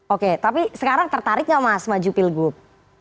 oke tapi sekarang tertarik nggak mas maju pilgub